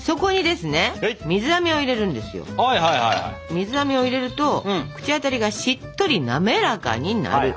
水あめを入れると口当たりがしっとりなめらかになる。